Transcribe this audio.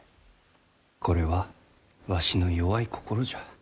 これはわしの弱い心じゃ。